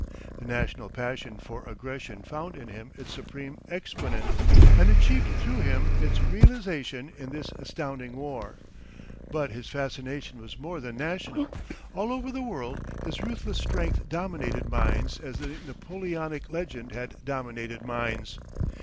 The national passion for aggression found in him its supreme exponent, and achieved through him its realisation in this astounding war. But his fascination was more than national; all over the world his ruthless strength dominated minds as the Napoleonic legend had dominated minds.